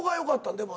でも。